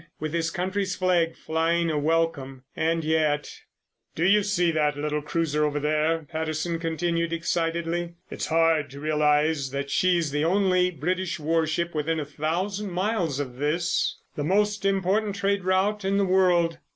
—with his country's flag flying a welcome. And yet—— "Do you see that little cruiser over there?" Patterson continued excitedly. "It's hard to realise that she's the only British warship within a thousand miles of this—the most important trade route in the world.